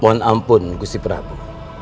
mohon ampun gusti prabu